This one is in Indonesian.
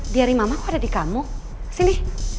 biarin mamaku ada di kamu sini